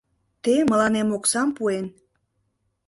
Те, мыланем оксам пуэн